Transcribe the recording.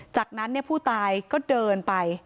จากนั้นผู้ตายก็เดินไป